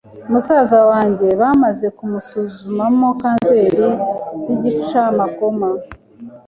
Musaza wanjye bamaze kumusuzumamo kanseri y’igicamakoma